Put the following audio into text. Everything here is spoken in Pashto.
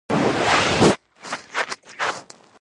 د جاسوسي شبکو د فعالیتونو په باب.